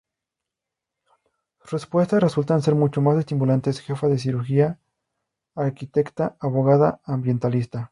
Sus respuestas resultan ser mucho más estimulantes: jefa de cirugía, arquitecta, abogada ambientalista...